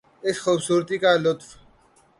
اس خوبصورتی کا لطف